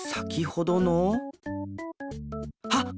はっ！